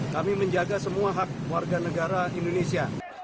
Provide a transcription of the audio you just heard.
kami menjaga semua hak warga negara indonesia